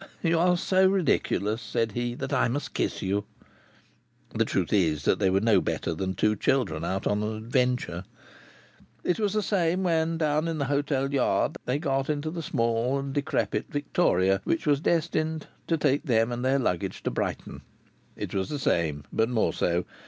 "You are so ridiculous," said he, "that I must kiss you." The truth is that they were no better than two children out on an adventure. It was the same when down in the hotel yard they got into the small and decrepit victoria which was destined to take them and their luggage to Brighton. It was the same, but more so.